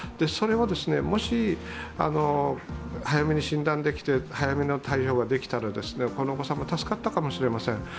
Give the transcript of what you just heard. それをもし早めに診断できて、早めの対応ができたらこのお子さんも助かったかもしれません。